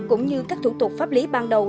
cũng như các thủ tục pháp lý ban đầu